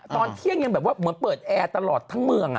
ตอนเที่ยงยังแบบว่าเหมือนเปิดแอร์ตลอดทั้งเมือง